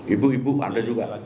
ibu ibu ada juga